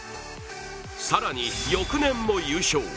更に、翌年も優勝。